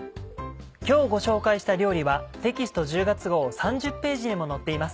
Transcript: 今日ご紹介した料理はテキスト１０月号３０ページにも載っています。